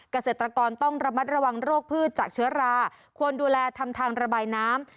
เกษตรกรต้องระมัดระวังโรคพืชจากเชื้อราควรดูแลทำทางระบายน้ำ